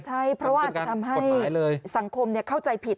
ใช่เพราะว่าอาจจะทำให้สังคมเข้าใจผิด